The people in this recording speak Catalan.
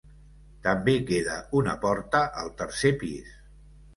També queda una porta al tercer pis.